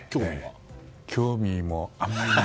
興味もあまり。